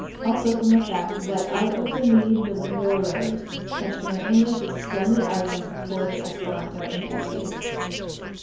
Also, from the fact that out of the need the lingo arose, bêche de mer English is a splendid argument for the Esperanto enthusiasts.